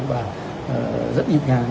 và rất nhịp nhàng